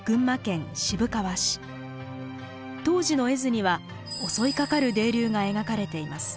当時の絵図には襲いかかる泥流が描かれています。